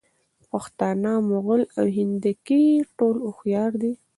پښتانه، مغل او هندکي ټول هوښیار دي.